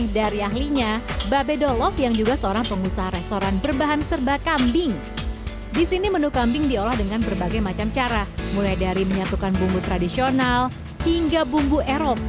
di eropa ada menu kambing italiano